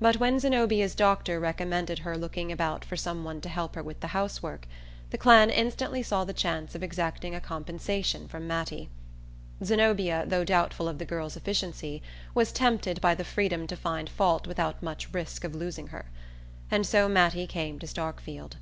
But when Zenobia's doctor recommended her looking about for some one to help her with the house work the clan instantly saw the chance of exacting a compensation from Mattie. Zenobia, though doubtful of the girl's efficiency, was tempted by the freedom to find fault without much risk of losing her; and so Mattie came to Starkfield.